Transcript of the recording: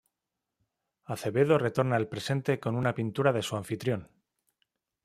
Acevedo retorna al presente con una pintura de su anfitrión.